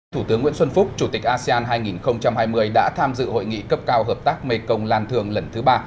thủ tướng nguyễn xuân phúc chủ tịch asean hai nghìn hai mươi đã tham dự hội nghị cấp cao hợp tác mekong lan thường lần thứ ba